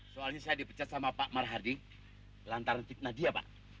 soalnya saya dipecat sama pak marhadi lantaran fitnah dia pak